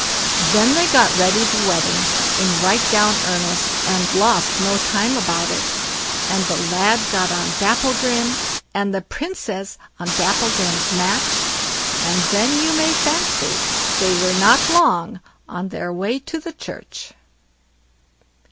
Then they got ready the wedding in right down earnest, and lost no time about it; and the lad got on Dapplegrim, and the Princess on Dapplegrim's match, and then you may fancy they were not long on their way to the church.